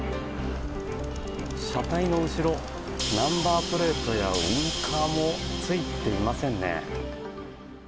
車体の後ろ、ナンバープレートやウィンカーもついていませんね。